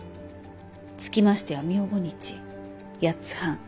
つきましては明後日八ツ半大